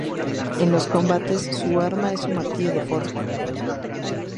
En los combates, su arma es su martillo de forja.